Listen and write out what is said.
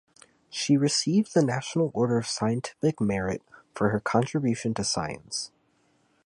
She received the National Order of Scientific Merit for her contribution to science.